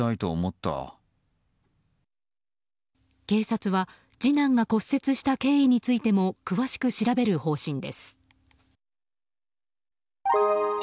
警察は次男が骨折した経緯についても詳しく調べる方針です。